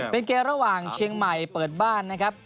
เป็นเกมระหว่างเชียงใหม่เปิดบ้านนะครับ